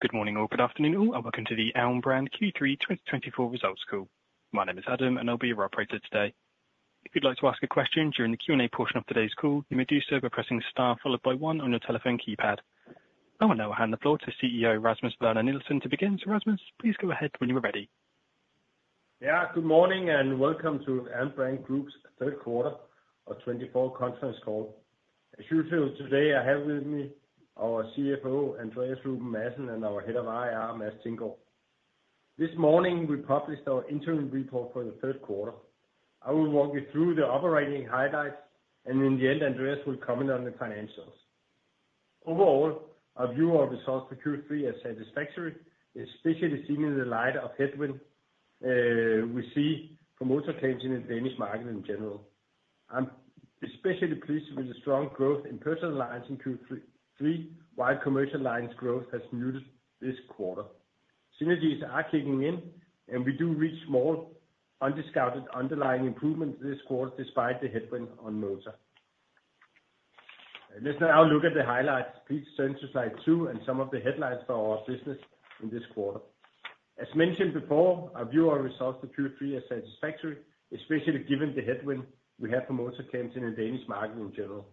Good morning or good afternoon all, and welcome to the Alm. Brand Q3 2024 results call. My name is Adam, and I'll be your operator today. If you'd like to ask a question during the Q&A portion of today's call, you may do so by pressing the star followed by one on your telephone keypad. I will now hand the floor to CEO Rasmus Werner Nielsen to begin. So, Rasmus, please go ahead when you're ready. Yeah, good morning and welcome to Alm. Brand Group's third quarter of 2024 conference call. As usual, today I have with me our CFO, Andreas Ruben Madsen, and our head of IR, Mads Thinggaard. This morning we published our interim report for the third quarter. I will walk you through the operating highlights, and in the end, Andreas will comment on the financials. Overall, our view of results for Q3 is satisfactory, especially seen in the light of headwinds we see for motor claims in the Danish market in general. I'm especially pleased with the strong growth in Personal Lines in Q3, while Commercial Lines' growth has muted this quarter. Synergies are kicking in, and we do reach small, undiscounted underlying improvements this quarter despite the headwinds on motor. Let's now look at the highlights. Please turn to slide two and some of the headlines for our business in this quarter. As mentioned before, our view of results for Q3 is satisfactory, especially given the headwinds we have for motor claims in the Danish market in general.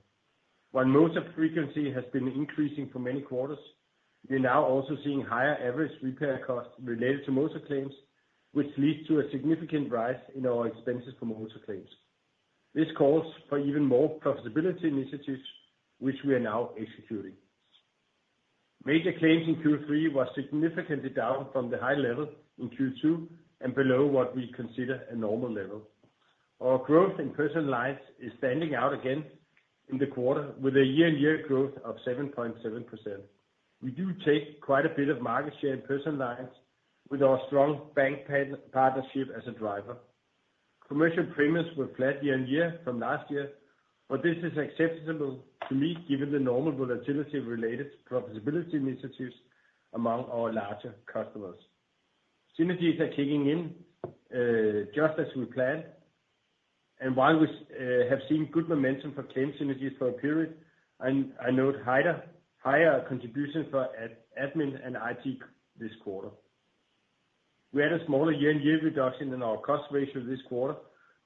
While motor frequency has been increasing for many quarters, we're now also seeing higher average repair costs related to motor claims, which leads to a significant rise in our expenses for motor claims. This calls for even more profitability initiatives, which we are now executing. Major claims in Q3 were significantly down from the high level in Q2 and below what we consider a normal level. Our growth in Personal Lines is standing out again in the quarter, with a year-on-year growth of 7.7%. We do take quite a bit of market share in Personal Lines with our strong bank partnership as a driver. Commercial premiums were flat year-on-year from last year, but this is acceptable to me given the normal volatility related to profitability initiatives among our larger customers. Synergies are kicking in just as we planned, and while we have seen good momentum for claim synergies for a period, I note higher contributions for admin and IT this quarter. We had a smaller year-on-year reduction in our cost ratio this quarter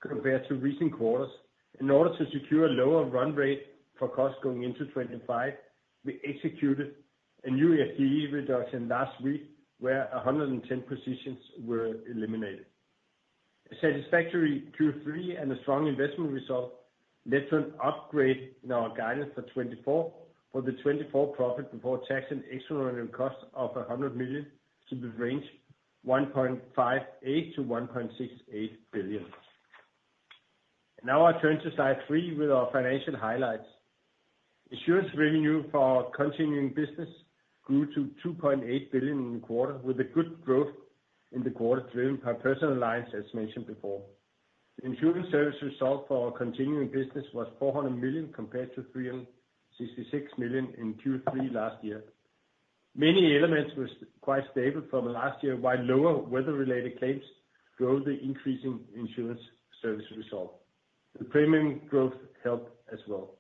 compared to recent quarters. In order to secure a lower run rate for costs going into 2025, we executed a new FTE reduction last week, where 110 positions were eliminated. A satisfactory Q3 and a strong investment result led to an upgrade in our guidance for 2024 for the 2024 profit before tax and extraordinary costs of 100 million to the range 1.58-1.68 billion. Now I'll turn to slide three with our financial highlights. Insurance revenue for our continuing business grew to 2.8 billion in the quarter, with a good growth in the quarter driven by Personal Lines, as mentioned before. The Insurance Service Result for our continuing business was 400 million compared to 366 million in Q3 last year. Many elements were quite stable from last year, while lower weather-related claims drove the increasing Insurance Service Result. The premium growth helped as well.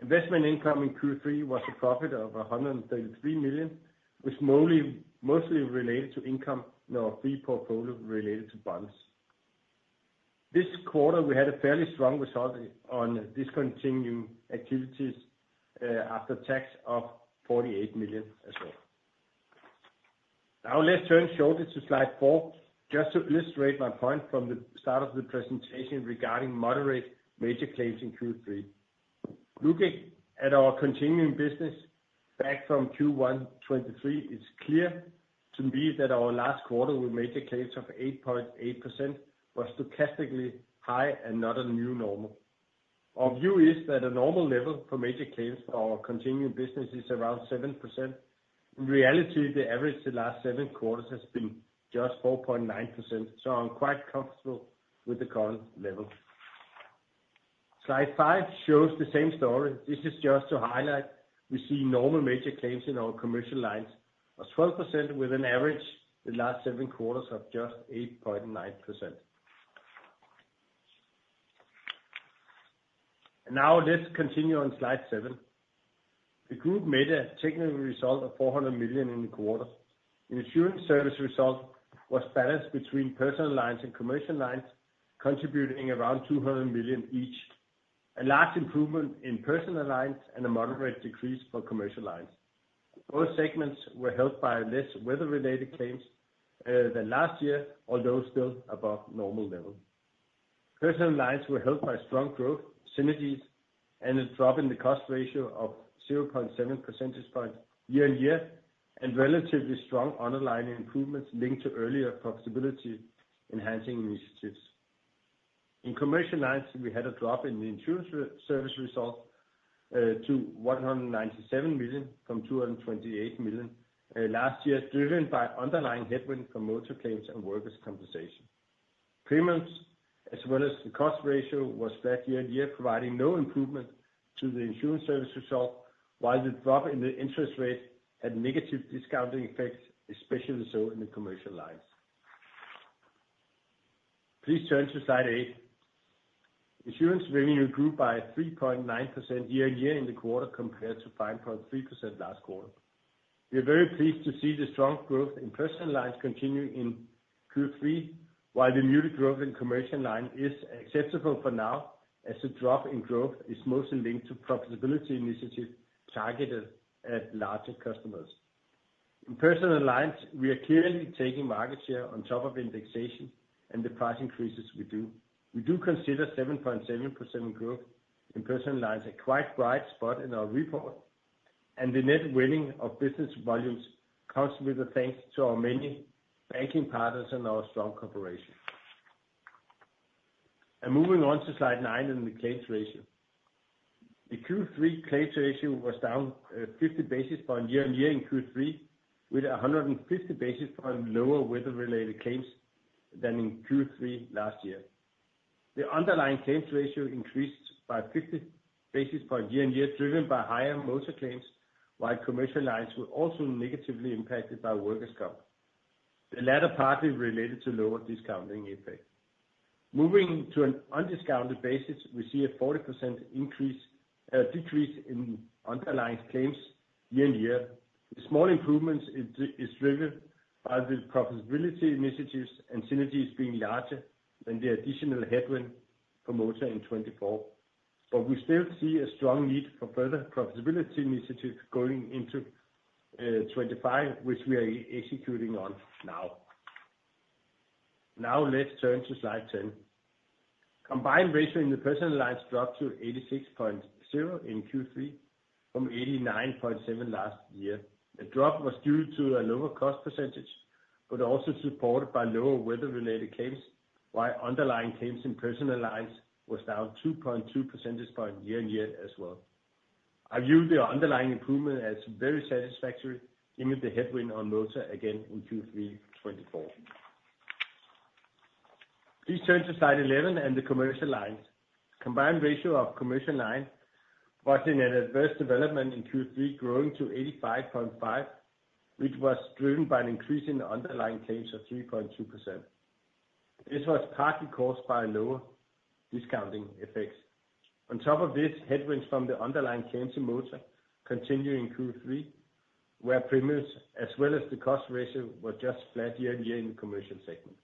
Investment income in Q3 was a profit of 133 million, which mostly related to income in our three portfolios related to bonds. This quarter, we had a fairly strong result on discontinuing activities after tax of 48 million as well. Now let's turn shortly to slide four, just to illustrate my point from the start of the presentation regarding moderate major claims in Q3. Looking at our continuing business back from Q1 2023, it's clear to me that our last quarter with major claims of 8.8% was stochastically high and not a new normal. Our view is that a normal level for major claims for our continuing business is around 7%. In reality, the average the last seven quarters has been just 4.9%, so I'm quite comfortable with the current level. Slide five shows the same story. This is just to highlight we see normal major claims in our Commercial Lines of 12%, with an average the last seven quarters of just 8.9%. And now let's continue on slide seven. The group made a technical result of 400 million in the quarter. The Insurance Service Result was balanced between Personal Lines and Commercial Lines, contributing around 200 million each. A large improvement in Personal Lines and a moderate decrease for Commercial Lines. Both segments were helped by less weather-related claims than last year, although still above normal level. Personal Lines were helped by strong growth, synergies, and a drop in the cost ratio of 0.7 percentage points year-on-year, and relatively strong underlying improvements linked to earlier profitability-enhancing initiatives. In Commercial Lines, we had a drop in the Insurance Service Result to 197 million from 228 million last year, driven by underlying headwinds from motor claims and workers' compensation. Premiums, as well as the cost ratio, were flat year-on-year, providing no improvement to the Insurance Service Result, while the drop in the interest rate had negative discounting effects, especially so in the Commercial Lines. Please turn to slide eight. Insurance revenue grew by 3.9% year-on-year in the quarter compared to 5.3% last quarter. We are very pleased to see the strong growth in Personal Lines continuing in Q3, while the muted growth in Commercial Lines is acceptable for now, as the drop in growth is mostly linked to profitability initiatives targeted at larger customers. In Personal Lines, we are clearly taking market share on top of indexation and the price increases we do. We do consider 7.7% growth in Personal Lines a quite bright spot in our report, and the net winning of business volumes comes with a thanks to our many banking partners and our strong cooperation. And moving on to slide nine and the claims ratio. The Q3 claims ratio was down 50 basis points year-on-year in Q3, with 150 basis points lower weather-related claims than in Q3 last year. The underlying claims ratio increased by 50 basis points year-on-year, driven by higher motor claims, while Commercial Lines were also negatively impacted by workers' comp. The latter partly related to lower discounting effects. Moving to an undiscounted basis, we see a 40% decrease in underlying claims year-on-year. The small improvements are driven by the profitability initiatives and synergies being larger than the additional headwinds for motor in 2024. But we still see a strong need for further profitability initiatives going into 2025, which we are executing on now. Now let's turn to slide 10. Combined ratio in the Personal Lines dropped to 86.0% in Q3 from 89.7% last year. The drop was due to a lower cost percentage, but also supported by lower weather-related claims, while underlying claims in Personal Lines were down 2.2 percentage points year-on-year as well. I view the underlying improvement as very satisfactory, given the headwind on motor again in Q3 2024. Please turn to slide 11 and the Commercial Lines. Combined ratio of Commercial Lines was in an adverse development in Q3, growing to 85.5%, which was driven by an increase in underlying claims of 3.2%. This was partly caused by lower discounting effects. On top of this, headwinds from the underlying claims in motor continued in Q3, where premiums as well as the cost ratio were just flat year-on-year in the Commercial segment.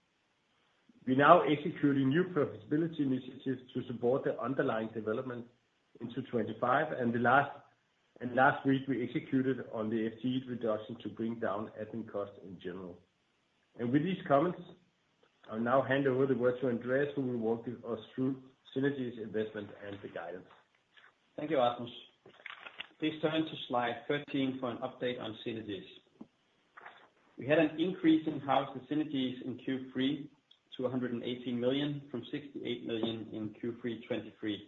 We are now executing new profitability initiatives to support the underlying development into 2025, and last week we executed on the FTE reduction to bring down admin costs in general. And with these comments, I'll now hand over the word to Andreas, who will walk us through synergies investment and the guidance. Thank you, Rasmus. Please turn to slide 13 for an update on synergies. We had an increase in harvested synergies in Q3 to 118 million from 68 million in Q3 2023.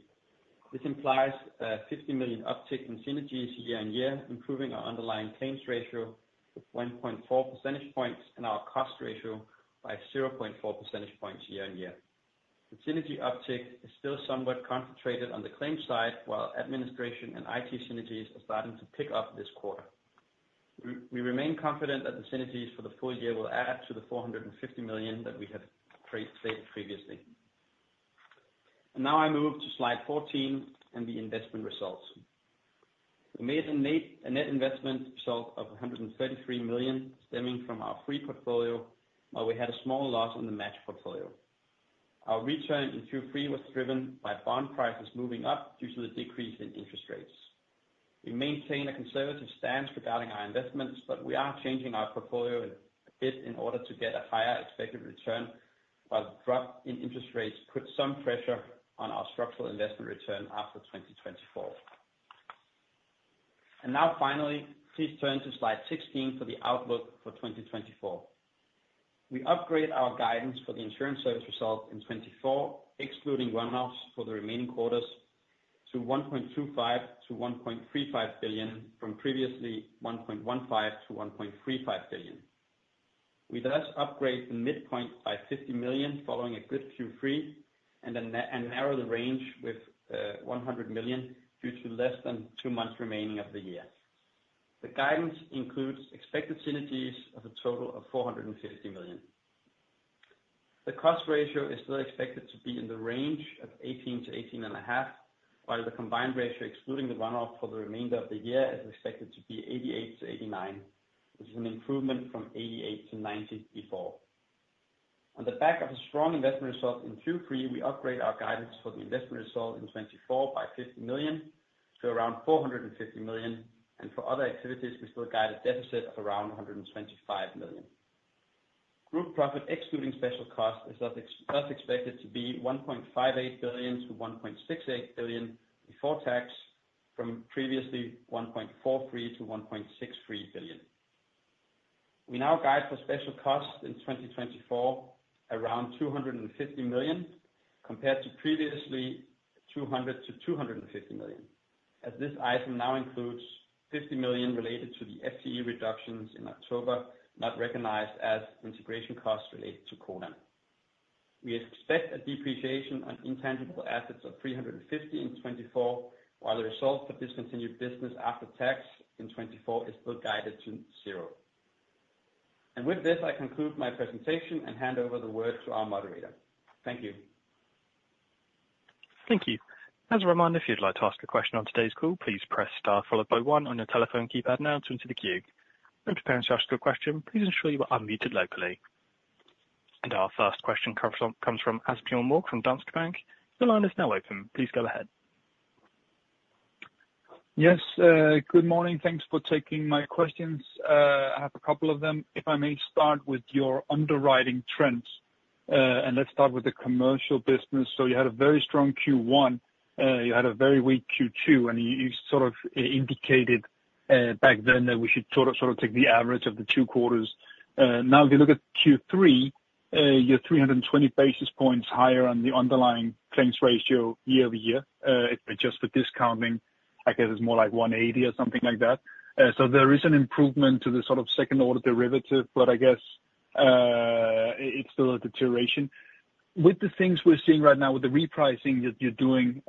This implies a 50 million uptick in synergies year-on-year, improving our underlying claims ratio of 1.4 percentage points and our cost ratio by 0.4 percentage points year-on-year. The synergy uptick is still somewhat concentrated on the claims side, while administration and IT synergies are starting to pick up this quarter. We remain confident that the synergies for the full year will add to the 450 million that we have stated previously. And now I move to slide 14 and the investment results. We made a net investment result of 133 million stemming from our free portfolio, while we had a small loss on the match portfolio. Our return in Q3 was driven by bond prices moving up due to the decrease in interest rates. We maintain a conservative stance regarding our investments, but we are changing our portfolio a bit in order to get a higher expected return, while the drop in interest rates put some pressure on our structural investment return after 2024. And now finally, please turn to slide 16 for the outlook for 2024. We upgrade our guidance for the Insurance Service Result in 2024, excluding run-off for the remaining quarters, to 1.25 billion-1.35 billion from previously 1.15 billion-1.35 billion. We thus upgrade the midpoint by 50 million following a good Q3 and narrow the range with 100 million due to less than two months remaining of the year. The guidance includes expected synergies of a total of 450 million. The cost ratio is still expected to be in the range of 18%-18.5%, while the combined ratio, excluding the run-off for the remainder of the year, is expected to be 88%-89%, which is an improvement from 88%-90% before. On the back of a strong investment result in Q3, we upgrade our guidance for the investment result in 2024 by 50 million to around 450 million, and for other activities, we still guide a deficit of around 125 million. Group profit, excluding special costs, is thus expected to be 1.58 billion-1.68 billion before tax from previously 1.43 billion-1.63 billion. We now guide for special costs in 2024 around 250 million compared to previously 200 million-250 million, as this item now includes 50 million related to the FTE reductions in October not recognized as integration costs related to Codan. We expect a depreciation on intangible assets of 350 million in 2024, while the result for discontinued business after tax in 2024 is still guided to zero. And with this, I conclude my presentation and hand over the word to our moderator. Thank you. Thank you. As a reminder, if you'd like to ask a question on today's call, please press star followed by one on your telephone keypad now to enter the queue. When preparing to ask a question, please ensure you are unmuted locally. And our first question comes from Asbjørn Mørk from Danske Bank. Your line is now open. Please go ahead. Yes, good morning. Thanks for taking my questions. I have a couple of them. If I may start with your underwriting trends, and let's start with the Commercial business. So you had a very strong Q1. You had a very weak Q2, and you sort of indicated back then that we should sort of take the average of the two quarters. Now, if you look at Q3, you're 320 basis points higher on the underlying claims ratio year-over-year. If we adjust for discounting, I guess it's more like 180 or something like that. So there is an improvement to the sort of second-order derivative, but I guess it's still a deterioration. With the things we're seeing right now with the repricing that you're doing,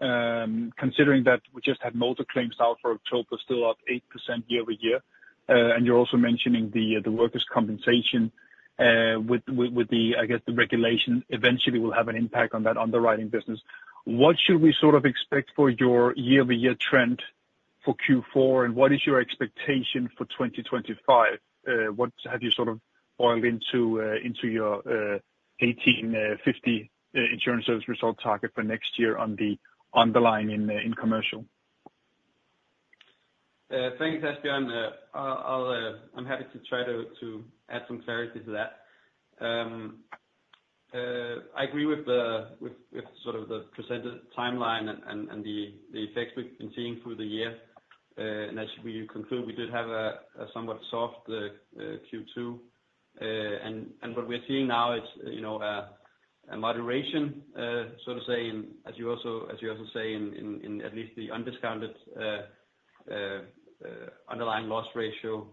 considering that we just had motor claims out for October, still up 8% year-over-year, and you're also mentioning the workers' compensation with the, I guess, the regulation eventually will have an impact on that underwriting business. What should we sort of expect for your year-over-year trend for Q4, and what is your expectation for 2025? What have you sort of oiled into your 1,850 million Insurance Service Result target for next year on the underlying in Commercial? Thanks, Asbjørn. I'm happy to try to add some clarity to that. I agree with sort of the presented timeline and the effects we've been seeing through the year. And as we conclude, we did have a somewhat soft Q2. And what we're seeing now is a moderation, so to say, as you also say, in at least the undiscounted underlying loss ratio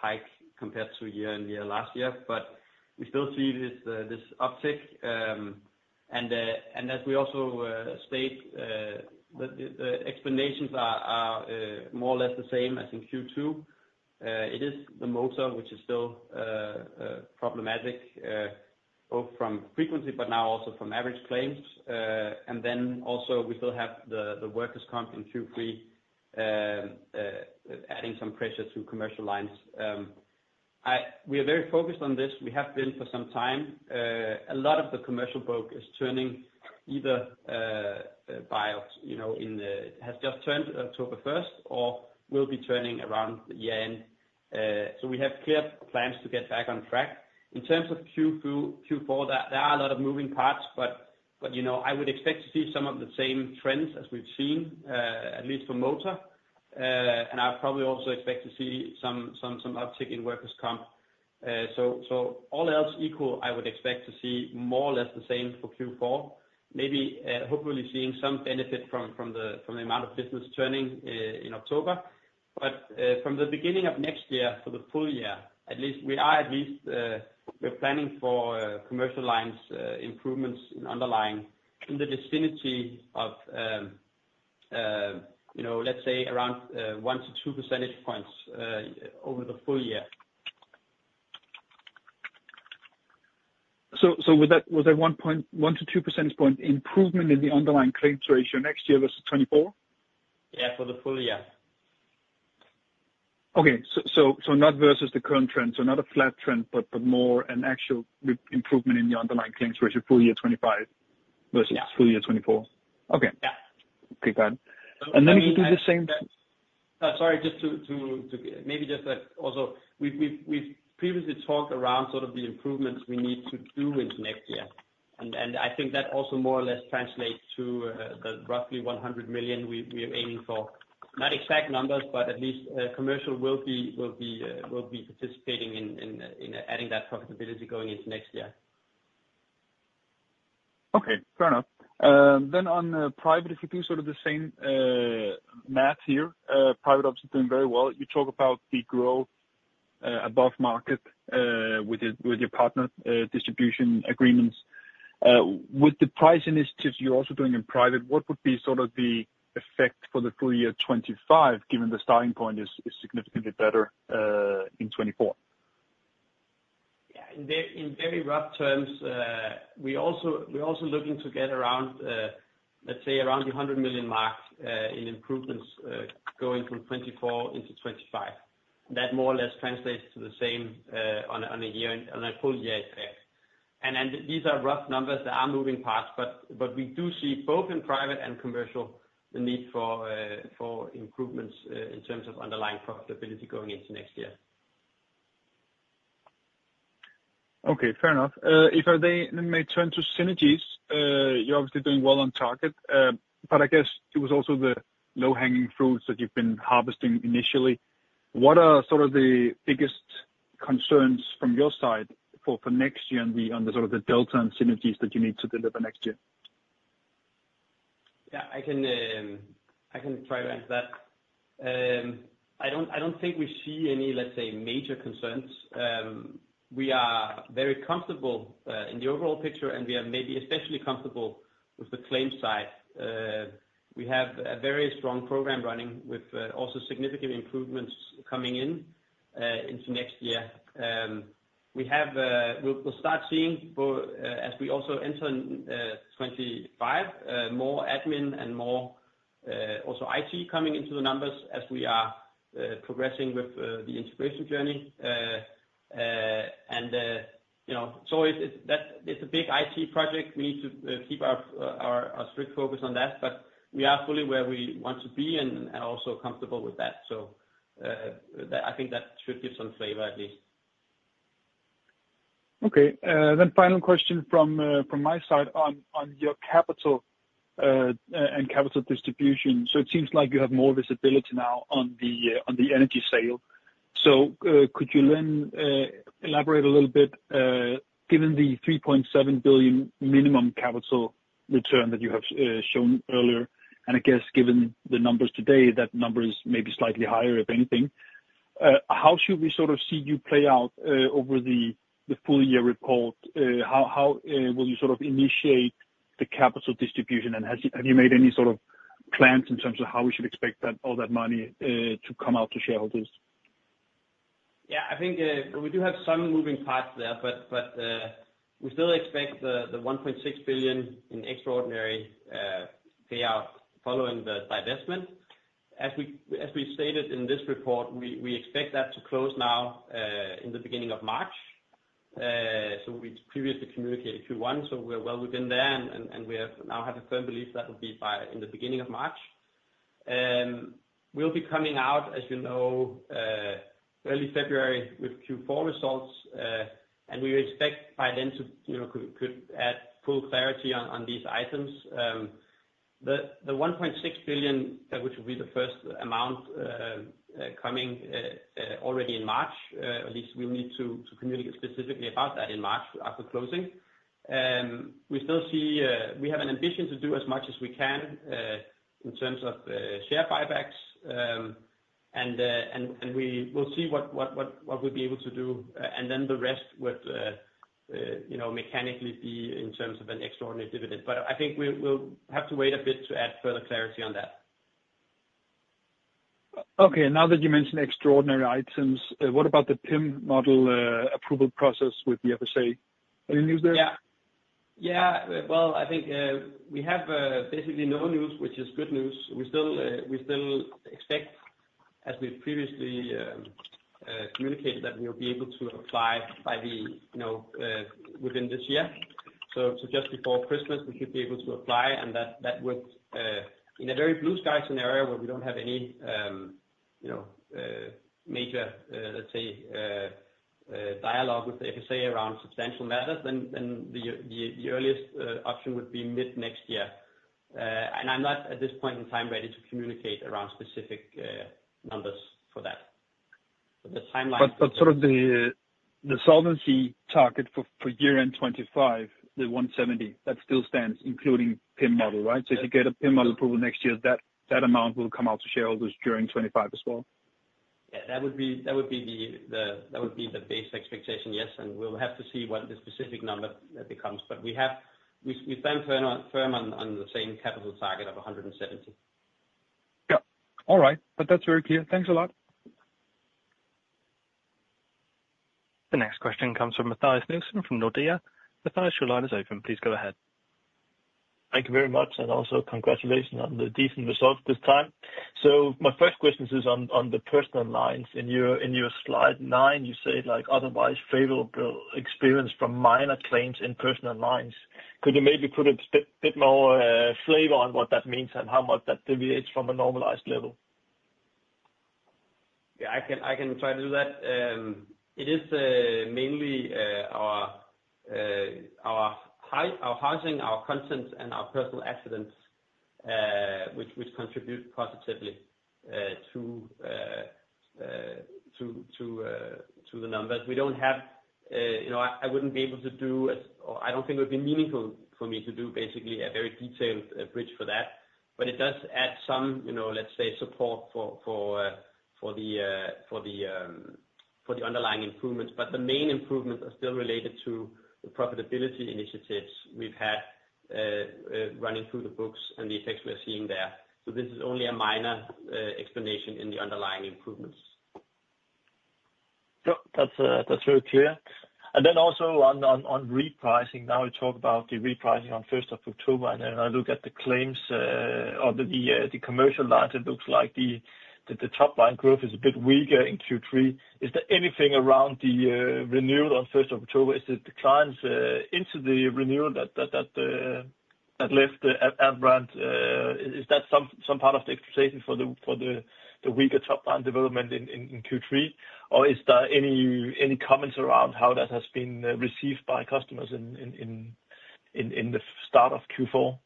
hike compared to year-on-year last year. But we still see this uptick. And as we also state, the explanations are more or less the same as in Q2. It is the motor, which is still problematic, both from frequency, but now also from average claims. And then also, we still have the workers' comp in Q3 adding some pressure to Commercial Lines. We are very focused on this. We have been for some time. A lot of the Commercial book is turning either has just turned October 1st or will be turning around the year-end, so we have clear plans to get back on track. In terms of Q4, there are a lot of moving parts, but I would expect to see some of the same trends as we've seen, at least for motor, and I probably also expect to see some uptick in workers' comp, so all else equal, I would expect to see more or less the same for Q4, maybe hopefully seeing some benefit from the amount of business turning in October. But from the beginning of next year for the full year, at least we're planning for Commercial Lines improvements in underlying, in the vicinity of, let's say, around 1-2 percentage points over the full year. So was that 1-2 percentage points improvement in the underlying claims ratio next year versus 2024? Yeah, for the full year. Okay. So not versus the current trend. So not a flat trend, but more an actual improvement in the underlying claims ratio full year 2025 versus full year 2024. Yeah. Okay. Yeah. Okay. Got it. And then you could just say that, sorry, just to maybe just also we've previously talked around sort of the improvements we need to do into next year. And I think that also more or less translates to the roughly 100 million we are aiming for. Not exact numbers, but at least Commercial will be participating in adding that profitability going into next year. Okay. Fair enough. Then on private, if you do sort of the same math here, private ops are doing very well. You talk about the growth above market with your partner distribution agreements. With the price initiatives you're also doing in private, what would be sort of the effect for the full year 2025, given the starting point is significantly better in 2024? Yeah. In very rough terms, we're also looking to get around, let's say, around the 100 million mark in improvements going from 2024 into 2025. That more or less translates to the same on a full year effect. And these are rough numbers. There are moving parts, but we do see both in private and Commercial the need for improvements in terms of underlying profitability going into next year. Okay. Fair enough. If I may turn to synergies, you're obviously doing well on target, but I guess it was also the low-hanging fruits that you've been harvesting initially. What are sort of the biggest concerns from your side for next year and sort of the delta and synergies that you need to deliver next year? Yeah. I can try to answer that. I don't think we see any, let's say, major concerns. We are very comfortable in the overall picture, and we are maybe especially comfortable with the claims side. We have a very strong program running with also significant improvements coming in into next year. We'll start seeing, as we also enter 2025, more admin and more also IT coming into the numbers as we are progressing with the integration journey. And so it's a big IT project. We need to keep our strict focus on that, but we are fully where we want to be and also comfortable with that. So I think that should give some flavor at least. Okay. Then final question from my side on your capital and capital distribution. So it seems like you have more visibility now on the energy sale. So could you then elaborate a little bit, given the 3.7 billion minimum capital return that you have shown earlier? And I guess given the numbers today, that number is maybe slightly higher, if anything. How should we sort of see you play out over the full year report? How will you sort of initiate the capital distribution? And have you made any sort of plans in terms of how we should expect all that money to come out to shareholders? Yeah. I think we do have some moving parts there, but we still expect the 1.6 billion in extraordinary payout following the divestment. As we stated in this report, we expect that to close now in the beginning of March. So we previously communicated Q1, so we're well within there, and we now have a firm belief that will be by in the beginning of March. We'll be coming out, as you know, early February with Q4 results, and we expect by then to could add full clarity on these items. The 1.6 billion, which will be the first amount coming already in March, at least we'll need to communicate specifically about that in March after closing. We still see we have an ambition to do as much as we can in terms of share buybacks, and we will see what we'll be able to do. And then the rest would mechanically be in terms of an extraordinary dividend. But I think we'll have to wait a bit to add further clarity on that. Okay. Now that you mentioned extraordinary items, what about the PIM model approval process with the FSA? Any news there? Yeah. Yeah. Well, I think we have basically no news, which is good news. We still expect, as we previously communicated, that we'll be able to apply by the within this year. So just before Christmas, we should be able to apply, and that would, in a very blue sky scenario where we don't have any major, let's say, dialogue with the FSA around substantial matters, then the earliest option would be mid next year. And I'm not, at this point in time, ready to communicate around specific numbers for that. So the timeline. But sort of the solvency target for year-end 2025, the 170%, that still stands, including PIM model, right? So if you get a PIM model approval next year, that amount will come out to shareholders during 2025 as well? Yeah. That would be the base expectation, yes. And we'll have to see what the specific number becomes. But we stand firm on the same capital target of 170%. Yeah. All right. That's very clear. Thanks a lot. The next question comes from Mathias Nielsen from Nordea. Mathias, your line is open. Please go ahead. Thank you very much, and also congratulations on the decent result this time. So my first question is on the Personal Lines. In your slide nine, you said otherwise favorable experience from minor claims in Personal Lines. Could you maybe put a bit more flavor on what that means and how much that deviates from a normalized level? Yeah. I can try to do that. It is mainly our housing, our content, and our personal accidents, which contribute positively to the numbers. We don't have I wouldn't be able to do, or I don't think it would be meaningful for me to do basically a very detailed bridge for that. But it does add some, let's say, support for the underlying improvements. But the main improvements are still related to the profitability initiatives we've had running through the books and the effects we're seeing there. So this is only a minor explanation in the underlying improvements. That's very clear. And then also on repricing, now we talk about the repricing on 1st of October, and then I look at the claims or the Commercial Lines, it looks like the top line growth is a bit weaker in Q3. Is there anything around the renewal on 1st of October? Is it declines into the renewal that left at Alm. Brand? Is that some part of the expectation for the weaker top line development in Q3? Or is there any comments around how that has been received by customers in the start of Q4?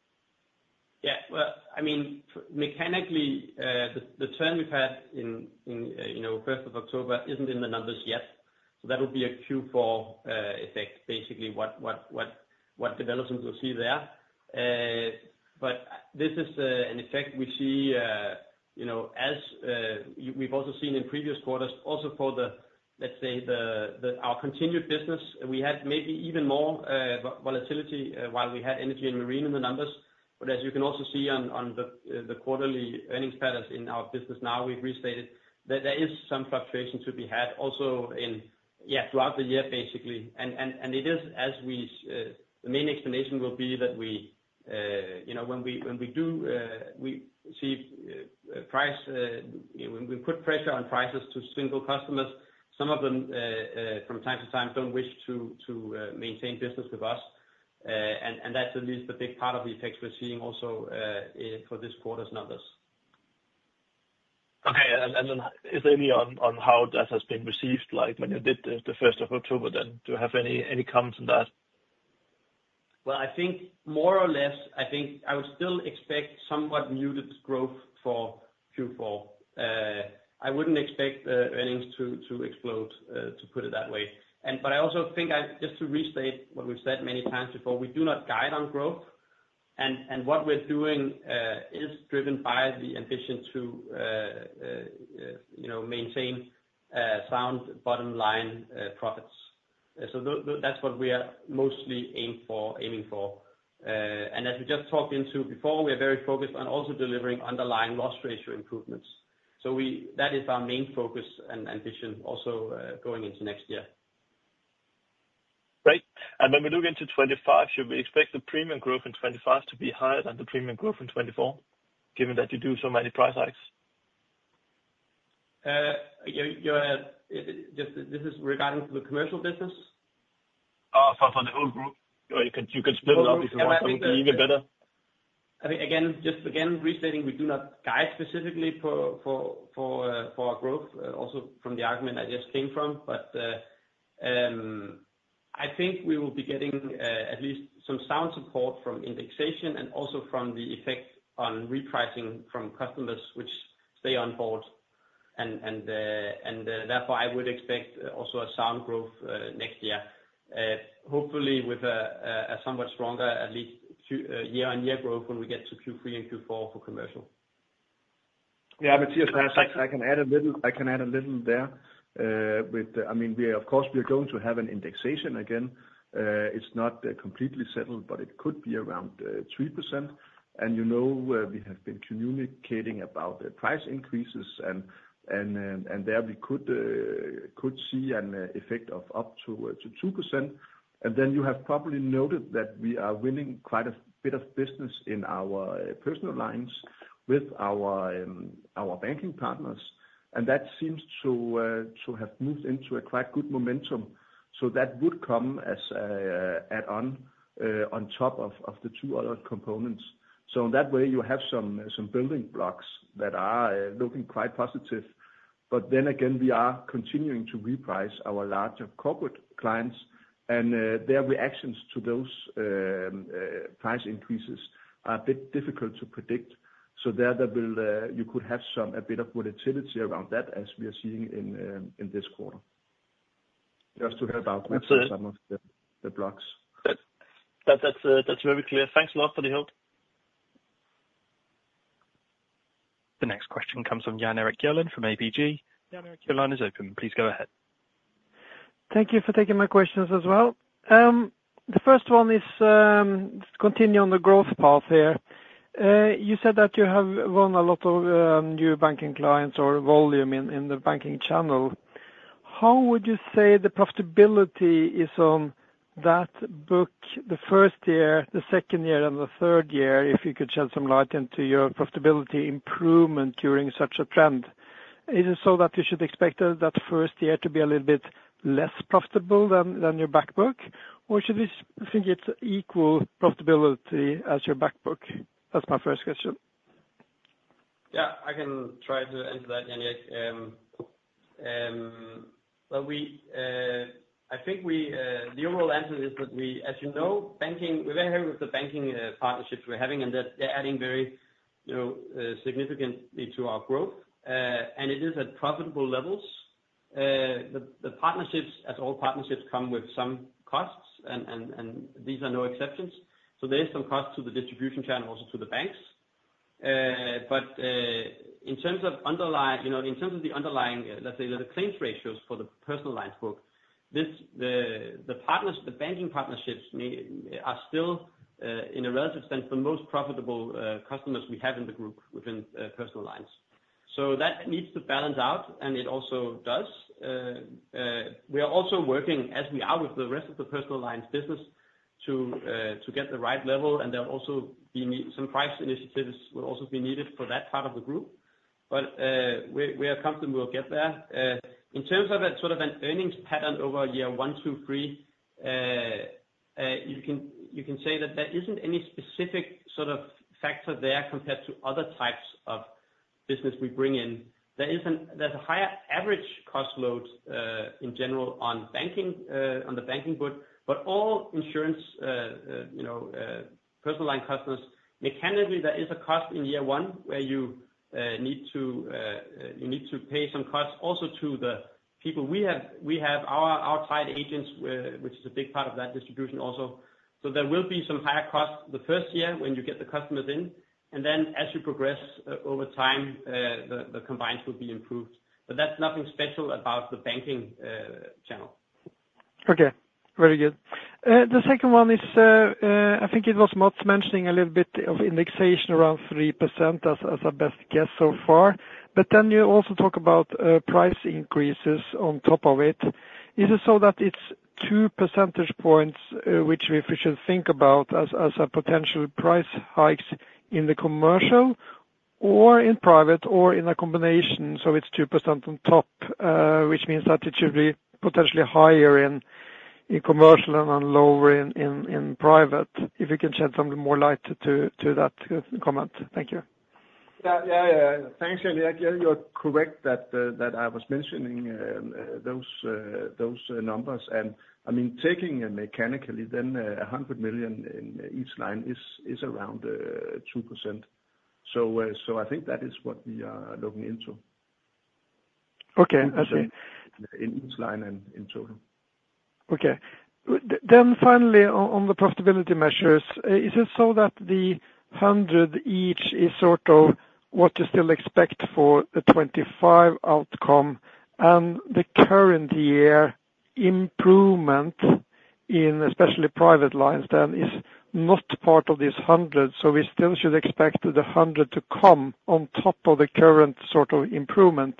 Yeah. Well, I mean, mechanically, the turn we've had in 1st of October isn't in the numbers yet. So that will be a Q4 effect, basically, what developments we'll see there. But this is an effect we see as we've also seen in previous quarters, also for the, let's say, our continued business. We had maybe even more volatility while we had Energy and Marine in the numbers. But as you can also see on the quarterly earnings patterns in our business now, we've restated that there is some fluctuation to be had also in, yeah, throughout the year, basically. And it is as we the main explanation will be that when we do see price, when we put pressure on prices to single customers, some of them from time to time don't wish to maintain business with us. That's at least the big part of the effects we're seeing also for this quarter's numbers. Okay. And then is there any on how that has been received? Like when you did the 1st of October, then do you have any comments on that? I think more or less, I think I would still expect somewhat muted growth for Q4. I wouldn't expect earnings to explode, to put it that way. But I also think, just to restate what we've said many times before, we do not guide on growth. And what we're doing is driven by the ambition to maintain sound bottom line profits. So that's what we are mostly aiming for. And as we just talked into before, we are very focused on also delivering underlying loss ratio improvements. So that is our main focus and ambition also going into next year. Great. And when we look into 2025, should we expect the premium growth in 2025 to be higher than the premium growth in 2024, given that you do so many price hikes? You're just this is regarding to the Commercial business? For the whole group. You can split it up if you want something even better. I think, again, just again, restating, we do not guide specifically for our growth, also from the argument I just came from. But I think we will be getting at least some sound support from indexation and also from the effect on repricing from customers which stay on board. And therefore, I would expect also a sound growth next year, hopefully with a somewhat stronger, at least year-on-year growth when we get to Q3 and Q4 for Commercial. Yeah. Matthias, I can add a little there with the. I mean, of course, we are going to have an indexation again. It's not completely settled, but it could be around 3%. And you know we have been communicating about the price increases, and there we could see an effect of up to 2%. And then you have probably noted that we are winning quite a bit of business in our Personal Lines with our banking partners. And that seems to have moved into a quite good momentum. So that would come as an add-on on top of the two other components. So in that way, you have some building blocks that are looking quite positive. But then again, we are continuing to reprice our larger corporate clients, and their reactions to those price increases are a bit difficult to predict. So there you could have a bit of volatility around that, as we are seeing in this quarter. Just to help out with some of the blocks. That's very clear. Thanks a lot for the help. The next question comes from Jan Erik Gjerland from ABG. Jan Erik, your line is open. Please go ahead. Thank you for taking my questions as well. The first one is to continue on the growth path here. You said that you have won a lot of new banking clients or volume in the banking channel. How would you say the profitability is on that book, the first year, the second year, and the third year, if you could shed some light into your profitability improvement during such a trend? Is it so that you should expect that first year to be a little bit less profitable than your backbook? Or should we think it's equal profitability as your backbook? That's my first question. Yeah. I can try to answer that, Jan Erik. Well, I think the overall answer is that we, as you know, we're very happy with the banking partnerships we're having, and they're adding very significantly to our growth. And it is at profitable levels. The partnerships, as all partnerships, come with some costs, and these are no exceptions. So there is some cost to the distribution channel and also to the banks. But in terms of underlying, in terms of the underlying, let's say, the claims ratios for the Personal Lines book, the banking partnerships are still, in a relative sense, the most profitable customers we have in the group within Personal Lines. So that needs to balance out, and it also does. We are also working, as we are with the rest of the Personal Lines business, to get the right level. And there will also be some price initiatives that will also be needed for that part of the group. But we are confident we'll get there. In terms of sort of an earnings pattern over year one, two, three, you can say that there isn't any specific sort of factor there compared to other types of business we bring in. There's a higher average cost load in general on the banking book, but all insurance Personal line customers, mechanically, there is a cost in year one where you need to pay some costs also to the people. We have our outside agents, which is a big part of that distribution also. So there will be some higher costs the first year when you get the customers in. And then, as you progress over time, the combined will be improved. But that's nothing special about the banking channel. Okay. Very good. The second one is, I think it was Mat mentioning a little bit of indexation around 3% as our best guess so far. But then you also talk about price increases on top of it. Is it so that it's 2 percentage points which we should think about as potential price hikes in the Commercial or in private or in a combination? So it's 2% on top, which means that it should be potentially higher in Commercial and lower in private. If you can shed some more light on that comment. Thank you. Thanks, Jan Erik. You're correct that I was mentioning those numbers, and I mean, taking mechanically, then 100 million in each line is around 2%. So I think that is what we are looking into. Okay. In each line and in total. Okay. Then finally, on the profitability measures, is it so that the 100 million each is sort of what you still expect for the 2025 outcome? And the current year improvement in especially Personal Lines then is not part of this 100 million, so we still should expect the 100 million to come on top of the current sort of improvement.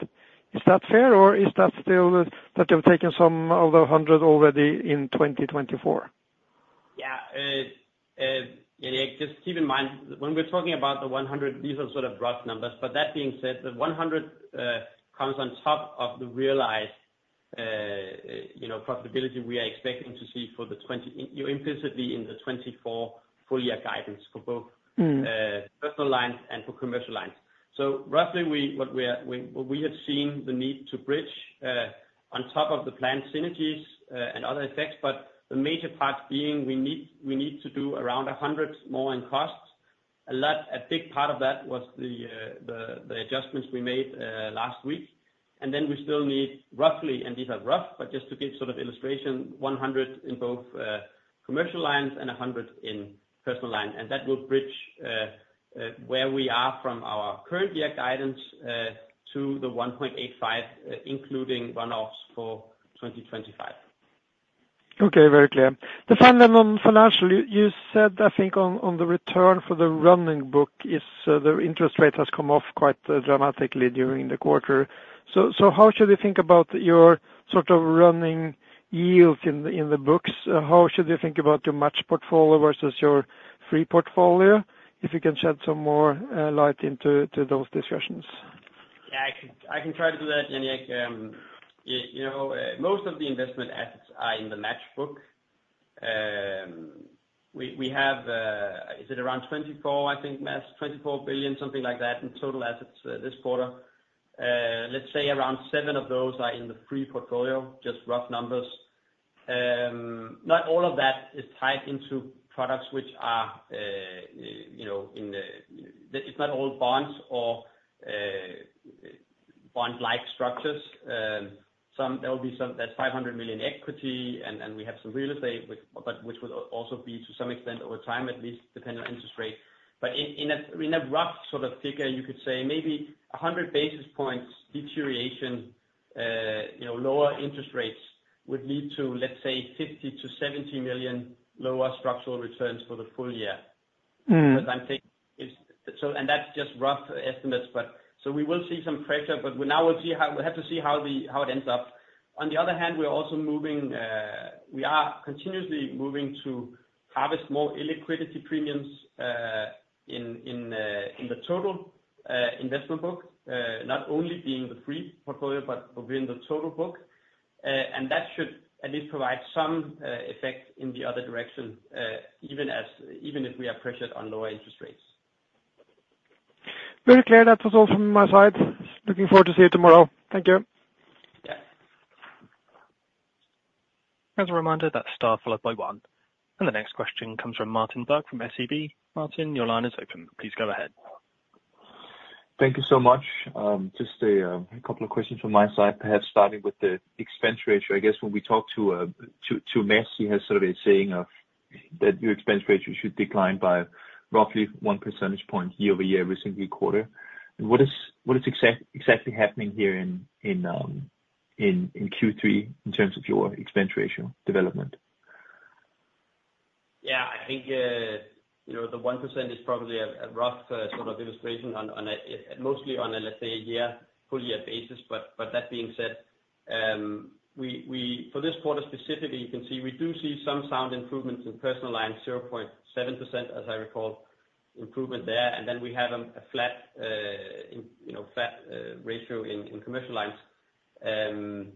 Is it fair, or is it still that you've taken some of the 100 million already in 2024? Yeah. Jan Erik, just keep in mind, when we're talking about the 100 million, these are sort of rough numbers. But that being said, the 100 million comes on top of the realized profitability we are expecting to see implicit in the 2024 full-year guidance for both Personal Lines and for Commercial Lines. So roughly, what we had seen the need to bridge on top of the planned synergies and other effects, but the major part being we need to do around 100 million more in costs. A big part of that was the adjustments we made last week. And then we still need roughly, and these are rough, but just to give sort of illustration, 100 million in both Commercial Lines and 100 million in Personal Lines. And that will bridge where we are from our current year guidance to the 1.85 billion, including runoffs for 2025. Okay. Very clear. The fundamental financial, you said, I think, on the return for the running book is the interest rate has come off quite dramatically during the quarter. So how should we think about your sort of running yields in the books? How should you think about your match portfolio versus your free portfolio? If you can shed some more light into those discussions. Yeah. I can try to do that, Jan Erik. Most of the investment assets are in the match book. We have, is it around 24 billion, I think, Mads, 24 billion, something like that in total assets this quarter. Let's say around 7 billion of those are in the free portfolio, just rough numbers. Not all of that is tied into products which are in the it's not all bonds or bond-like structures. There will be some that's 500 million equity, and we have some real estate, but which will also be to some extent over time, at least depending on interest rate. But in a rough sort of figure, you could say maybe 100 basis points deterioration, lower interest rates would lead to, let's say, 50 million-70 million lower structural returns for the full year. But I'm thinking it's so, and that's just rough estimates. We will see some pressure, but now we'll see how it ends up. On the other hand, we are continuously moving to harvest more illiquidity premiums in the total investment book, not only in the free portfolio, but within the total book. And that should at least provide some effect in the other direction, even if we are pressured on lower interest rates. Very clear. That was all from my side. Looking forward to see you tomorrow. Thank you. Yeah. As a reminder, that star followed by one. And the next question comes from Martin Berg from SEB. Martin, your line is open. Please go ahead. Thank you so much. Just a couple of questions from my side, perhaps starting with the expense ratio. I guess when we talk to Mads, he has sort of a saying that your expense ratio should decline by roughly one percentage point year over year every single quarter, and what is exactly happening here in Q3 in terms of your expense ratio development? Yeah. I think the 1% is probably a rough sort of illustration, mostly on a, let's say, a full-year basis. But that being said, for this quarter specifically, you can see we do see some sound improvements in Personal Lines, 0.7%, as I recall, improvement there. And then we have a flat ratio in Commercial Lines.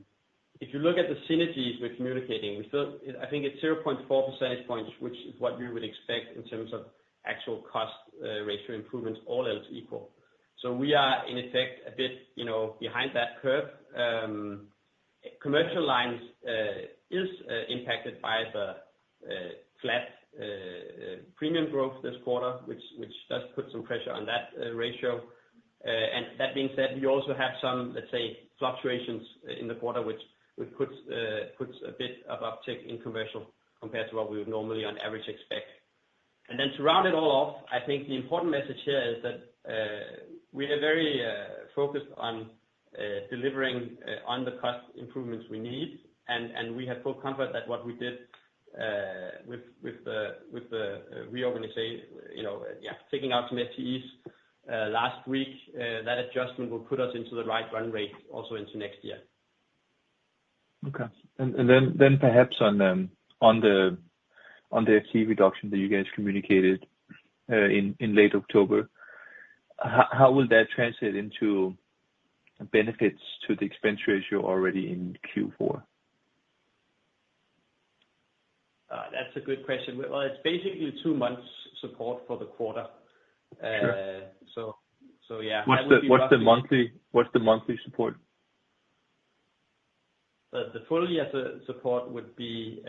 If you look at the synergies, we're communicating. I think it's 0.4 percentage points, which is what you would expect in terms of actual cost ratio improvements, all else equal. So we are, in effect, a bit behind that curve. Commercial Lines is impacted by the flat premium growth this quarter, which does put some pressure on that ratio. And that being said, we also have some, let's say, fluctuations in the quarter, which puts a bit of uptick in Commercial compared to what we would normally on average expect. Then to round it all off, I think the important message here is that we are very focused on delivering on the cost improvements we need. We have full comfort that what we did with the reorganization, yeah, taking out some FTEs last week, that adjustment will put us into the right run rate also into next year. Okay. And then perhaps on the FTE reduction that you guys communicated in late October, how will that translate into benefits to the expense ratio already in Q4? That's a good question. Well, it's basically two months' support for the quarter. So yeah. What's the monthly support? The full-year support would be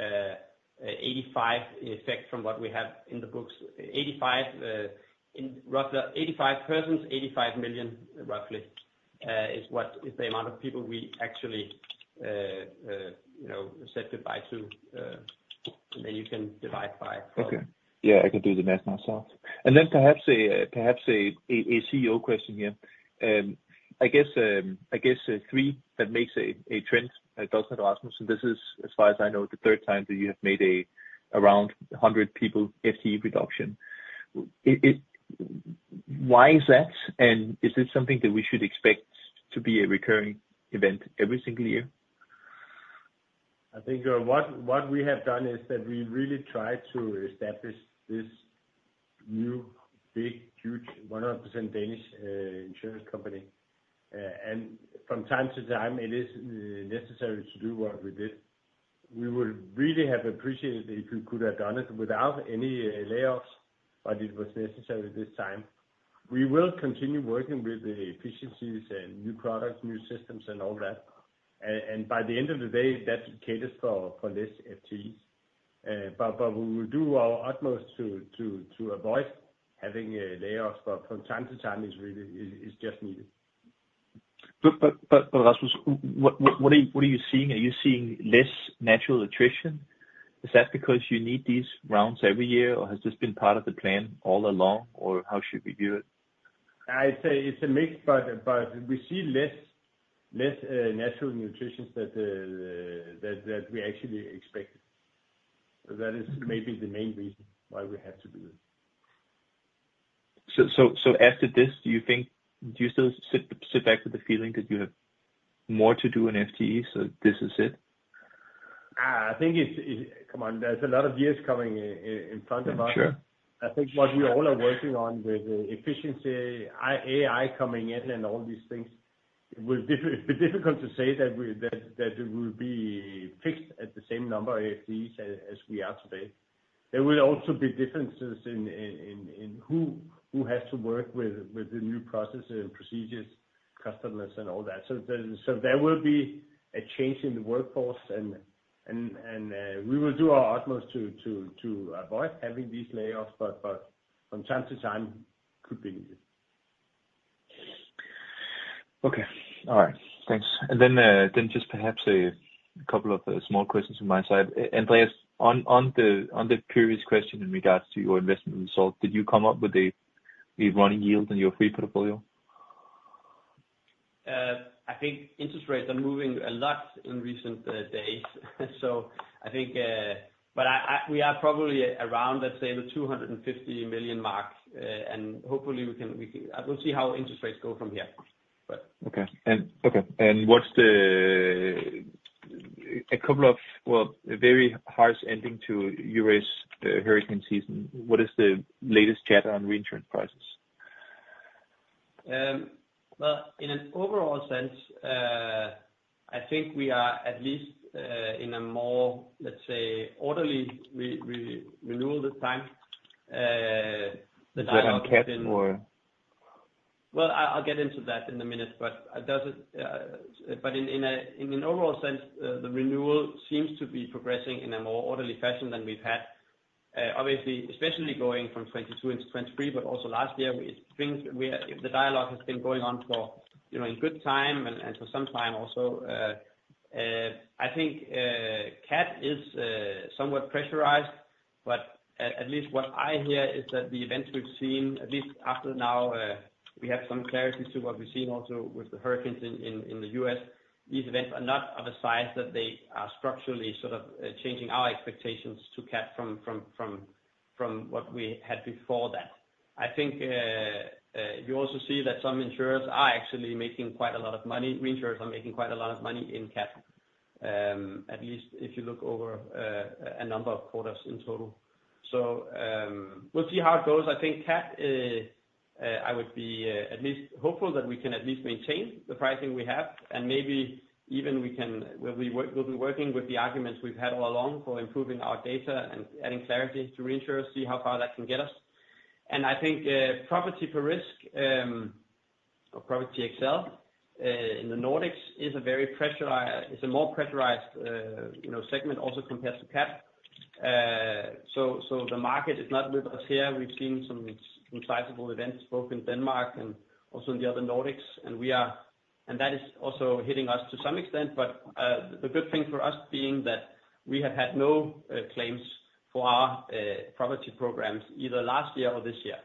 85 million effect from what we have in the books. 85 million, roughly, is the amount of people we actually said goodbye to, and then you can divide by. Okay. Yeah. I can do the math myself. And then perhaps a CEO question here. I guess three that makes a trend, doesn't it, Rasmus. This is, as far as I know, the third time that you have made around 100 people FTE reduction. Why is that? And is it something that we should expect to be a recurring event every single year? I think what we have done is that we really tried to establish this new big, huge 100% Danish insurance company. And from time to time, it is necessary to do what we did. We would really have appreciated it if you could have done it without any layoffs, but it was necessary this time. We will continue working with the efficiencies and new products, new systems, and all that. And by the end of the day, that caters for less FTEs. But we will do our utmost to avoid having layoffs, but from time to time, it's just needed. But Rasmus, what are you seeing? Are you seeing less natural attrition? Is that because you need these rounds every year, or has this been part of the plan all along, or how should we view it? I'd say it's a mix, but we see less natural attrition than we actually expected. So that is maybe the main reason why we have to do this. So after this, do you still sit back with the feeling that you have more to do in FTE, so this is it? I think it's come on. There's a lot of years coming in front of us. Sure. I think what we all are working on with efficiency, AI coming in, and all these things, it will be difficult to say that we will be fixed at the same number of FTEs as we are today. There will also be differences in who has to work with the new processes and procedures, customers, and all that. So there will be a change in the workforce, and we will do our utmost to avoid having these layoffs, but from time to time, it could be needed. Okay. All right. Thanks. And then just perhaps a couple of small questions from my side. Andreas, on the previous question in regards to your investment result, did you come up with a running yield in your free portfolio? I think interest rates are moving a lot in recent days. So I think, but we are probably around, let's say, the 250 million mark. And hopefully, we'll see how interest rates go from here. Okay. And what's the, well, very harsh ending to this year's hurricane season? What is the latest chatter on reinsurance prices? In an overall sense, I think we are at least in a more, let's say, orderly renewal this time. So that will catch more. I'll get into that in a minute, but in an overall sense, the renewal seems to be progressing in a more orderly fashion than we've had, obviously, especially going from 2022 into 2023, but also last year. The dialogue has been going on for a good time and for some time also. I think CAT is somewhat pressurized, but at least what I hear is that the events we've seen, at least after now, we have some clarity to what we've seen also with the hurricanes in the U.S. These events are not of a size that they are structurally sort of changing our expectations to CAT from what we had before that. I think you also see that some insurers are actually making quite a lot of money. Reinsurers are making quite a lot of money in CAT, at least if you look over a number of quarters in total. So we'll see how it goes. I think CAT. I would be at least hopeful that we can at least maintain the pricing we have, and maybe even we'll be working with the arguments we've had all along for improving our data and adding clarity to reinsurers, see how far that can get us. And I think property per risk or property XL in the Nordics is a more pressurized segment also compared to CAT. So the market is not with us here. We've seen some sizable events both in Denmark and also in the other Nordics. And that is also hitting us to some extent, but the good thing for us being that we have had no claims for our property programs either last year or this year.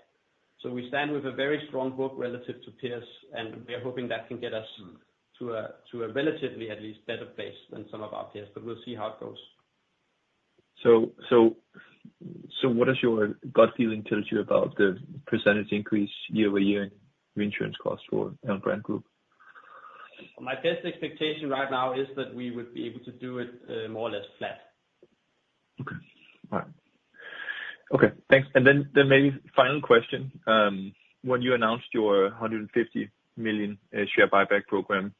So we stand with a very strong book relative to peers, and we are hoping that can get us to a relatively at least better place than some of our peers. But we'll see how it goes. What does your gut feeling tell you about the percentage increase year-over-year in reinsurance costs for Alm. Brand Group? My best expectation right now is that we would be able to do it more or less flat. Okay. All right. Okay. Thanks. And then maybe final question. When you announced your 150 million share buyback program,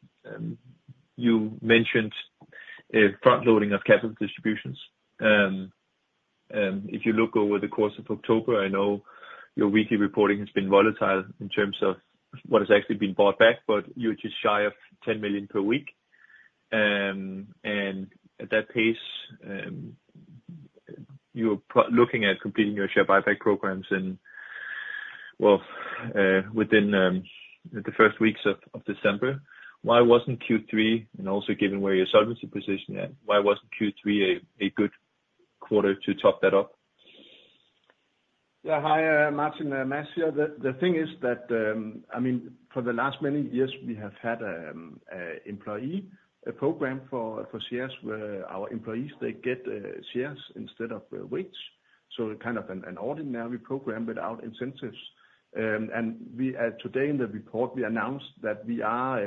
you mentioned front-loading of capital distributions. If you look over the course of October, I know your weekly reporting has been volatile in terms of what has actually been bought back, but you're just shy of 10 million per week. And at that pace, you're looking at completing your share buyback programs in, well, within the first weeks of December. Why wasn't Q3, and also given where your solvency position is, why wasn't Q3 a good quarter to top that up? Yeah. Hi, Martin Berg. The thing is that, I mean, for the last many years, we have had an employee program for shares where our employees, they get shares instead of wages. So kind of an ordinary program without incentives. And today in the report, we announced that we are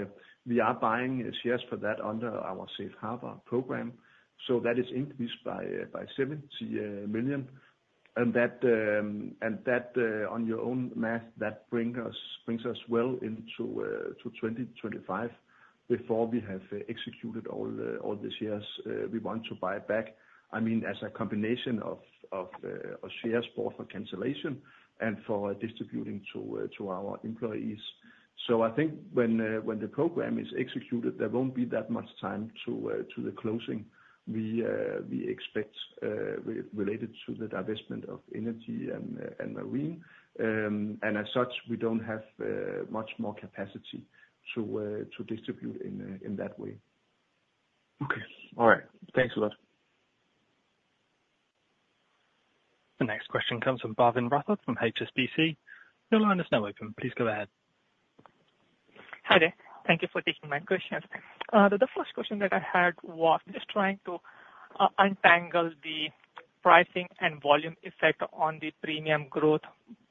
buying shares for that under our Safe Harbour program. So that is increased by 70 million. And that, on your own math, that brings us well into 2025 before we have executed all these shares we want to buy back, I mean, as a combination of shares both for cancellation and for distributing to our employees. So I think when the program is executed, there won't be that much time to the closing we expect related to the divestment of Energy and Marine. And as such, we don't have much more capacity to distribute in that way. Okay. All right. Thanks a lot. The next question comes from Bhavin Rathod from HSBC. Your line is now open. Please go ahead. Hi there. Thank you for taking my questions. The first question that I had was just trying to untangle the pricing and volume effect on the premium growth,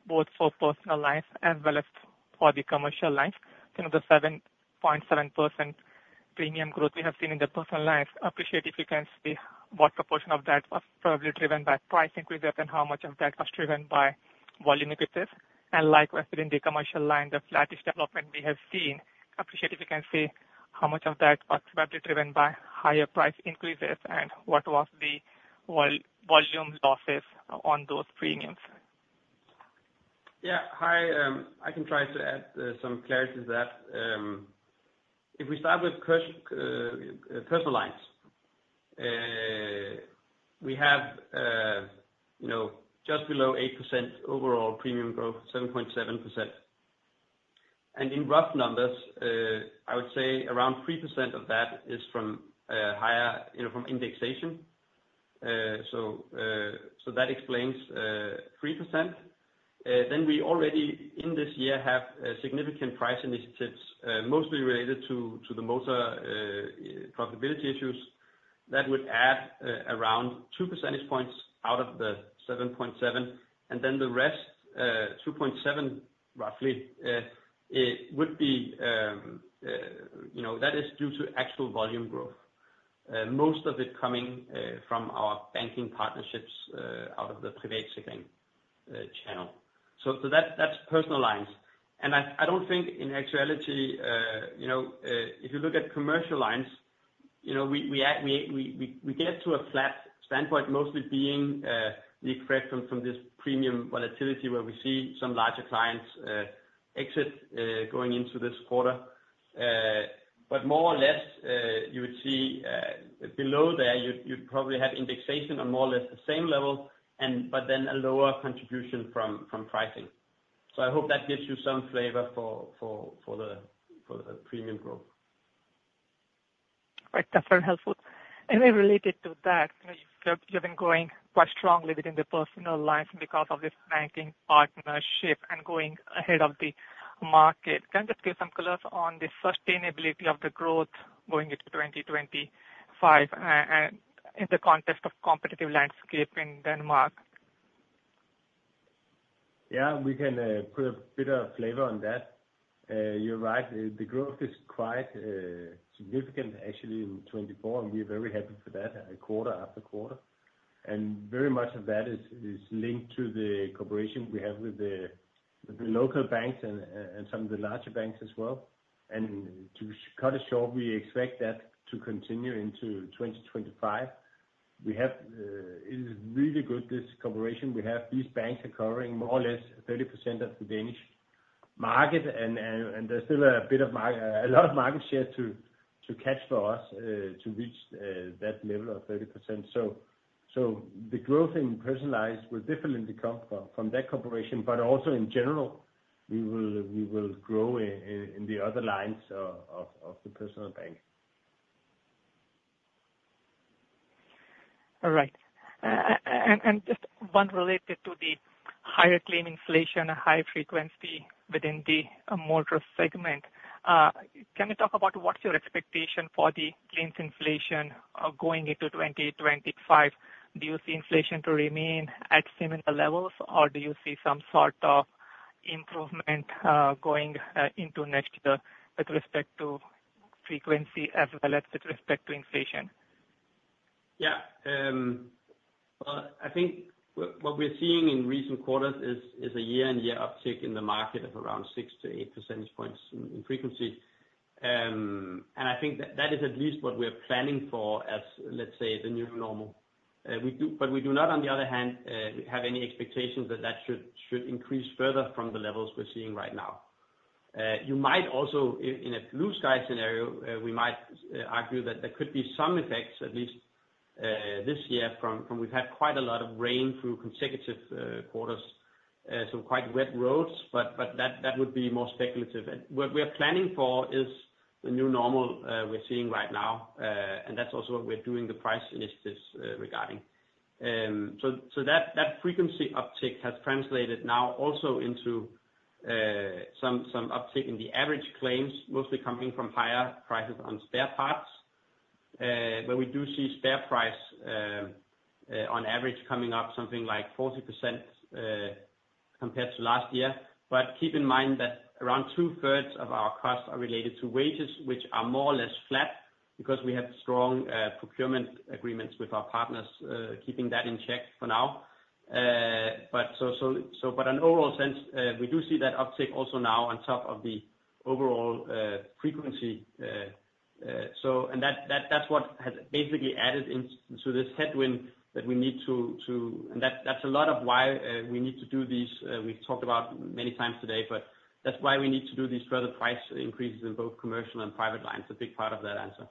both for Personal Lines as well as for the Commercial Lines. The 7.7% premium growth we have seen in Personal Lines. I appreciate if you can say what proportion of that was probably driven by price increase and how much of that was driven by volume increases. And likewise, within the Commercial Line, the flattish development we have seen. I appreciate if you can say how much of that was probably driven by higher price increases and what was the volume losses on those premiums. Yeah. Hi. I can try to add some clarity to that. If we start with Personal Lines, we have just below 8% overall premium growth, 7.7%. And in rough numbers, I would say around 3% of that is from higher indexation. So that explains 3%. Then we already in this year have significant price initiatives, mostly related to the motor profitability issues. That would add around 2 percentage points out of the 7.7%. And then the rest, 2.7% roughly, would be that is due to actual volume growth, most of it coming from our banking partnerships out of the private sector channel. So that's Personal Lines. And I don't think in actuality, if you look at Commercial Lines, we get to a flat standpoint, mostly being the effect from this premium volatility where we see some larger clients exit going into this quarter. But more or less, you would see below there, you'd probably have indexation on more or less the same level, but then a lower contribution from pricing. So I hope that gives you some flavor for the premium growth. All right. That's very helpful. And related to that, you've been going quite strongly within the Personal Lines because of this banking partnership and going ahead of the market. Can you just give some colors on the sustainability of the growth going into 2025 and in the context of competitive landscape in Denmark? Yeah. We can put a bit of flavor on that. You're right. The growth is quite significant, actually, in 2024. We're very happy for that quarter-after-quarter. And very much of that is linked to the cooperation we have with the local banks and some of the larger banks as well. And to cut it short, we expect that to continue into 2025. It is really good, this cooperation. These banks are covering more or less 30% of the Danish market, and there's still a bit of a lot of market share to catch for us to reach that level of 30%. So the growth in Personal Lines will definitely come from that cooperation, but also in general, we will grow in the other lines of the Personal Lines. All right, and just one related to the higher claim inflation and higher frequency within the motor segment. Can you talk about what's your expectation for the claims inflation going into 2025? Do you see inflation to remain at similar levels, or do you see some sort of improvement going into next year with respect to frequency as well as with respect to inflation? Yeah. Well, I think what we're seeing in recent quarters is a year-on-year uptick in the market of around 6-8 percentage points in frequency. And I think that is at least what we're planning for as, let's say, the new normal. But we do not, on the other hand, have any expectations that that should increase further from the levels we're seeing right now. You might also, in a blue sky scenario, we might argue that there could be some effects, at least this year, from we've had quite a lot of rain through consecutive quarters, so quite wet roads, but that would be more speculative. What we are planning for is the new normal we're seeing right now, and that's also what we're doing the price initiatives regarding. That frequency uptick has translated now also into some uptick in the average claims, mostly coming from higher prices on spare parts, where we do see spare price on average coming up, something like 40% compared to last year. But keep in mind that around 2/3 of our costs are related to wages, which are more or less flat because we have strong procurement agreements with our partners, keeping that in check for now. But in an overall sense, we do see that uptick also now on top of the overall frequency. And that's what has basically added to this headwind that we need to, and that's a lot of why we need to do these. We've talked about many times today, but that's why we need to do these further price increases in both Commercial and Personal Lines. A big part of that answer.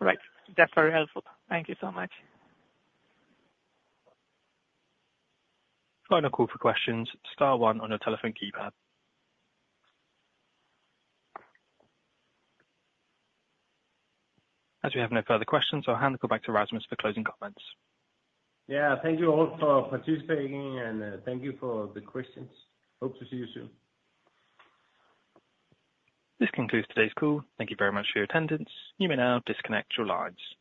All right. That's very helpful. Thank you so much. Final call for questions. Star one on your telephone keypad. As we have no further questions, I'll hand the call back to Rasmus for closing comments. Yeah. Thank you all for participating, and thank you for the questions. Hope to see you soon. This concludes today's call. Thank you very much for your attendance. You may now disconnect your lines.